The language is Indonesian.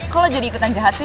kok lo jadi ikutan jahat sih